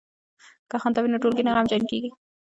که خندا وي نو ټولګی نه غمجن کیږي.